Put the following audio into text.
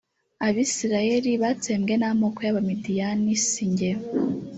abisirayeli batsembwe n’amaboko y abamidiyani si jye